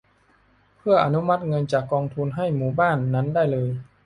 เพื่ออนุมัติเงินจากกองทุนให้หมู่บ้านนั้นได้เลย